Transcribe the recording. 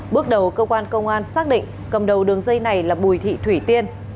bước đầu cơ quan công an xác định cầm đầu đường dây này là bùi thị thủy tiên